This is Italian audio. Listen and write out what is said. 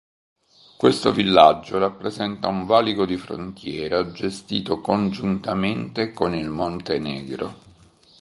Questo villaggio rappresenta un valico di frontiera gestito congiuntamente con il Montenegro.